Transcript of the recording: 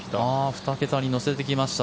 ２桁に乗せてきました。